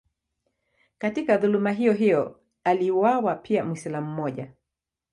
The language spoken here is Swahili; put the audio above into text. Katika dhuluma hiyohiyo aliuawa pia Mwislamu mmoja.